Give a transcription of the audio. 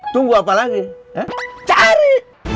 tunggu apa lagi cari